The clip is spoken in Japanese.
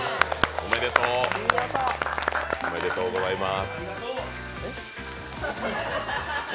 おめでとうございます。